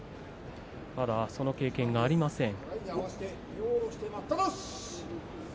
まだその経験はありません。